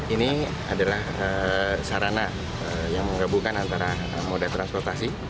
ini adalah sarana yang menggabungkan antara moda transportasi